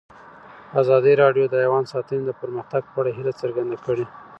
ازادي راډیو د حیوان ساتنه د پرمختګ په اړه هیله څرګنده کړې.